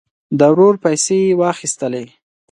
د ورور پیسې یې واخیستلې.